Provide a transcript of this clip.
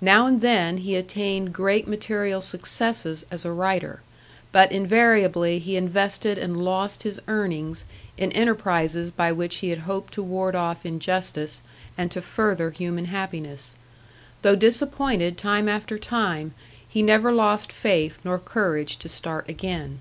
Now and then he attained great material successes as a writer, but invariably he invested and lost his earnings in enterprises by which he had hoped to ward off injustice and to further human happiness. Though disappointed time after time, he never lost faith nor courage to start again.